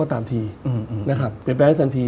เรียนแบ่งแบบนั้นตันที